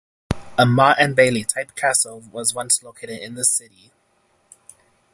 A motte-and-bailey-type castle was once located in the city.